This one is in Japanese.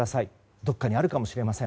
どこかにあるかもしれません。